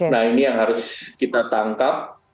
nah ini yang harus kita tangkap